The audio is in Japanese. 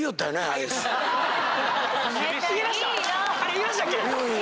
言いましたっけ？